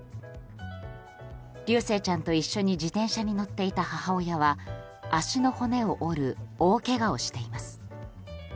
琉正ちゃんと一緒に自転車に乗っていた母親は足の骨を折る大けがをしています。